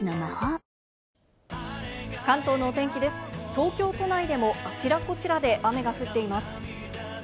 東京都内でもあちらこちらで雨が降っています。